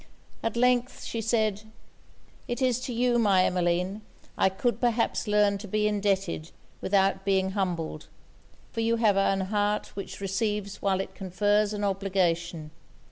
At length she said 'It is to you, my Emmeline, I could perhaps learn to be indebted without being humbled; for you have an heart which receives while it confers an obligation.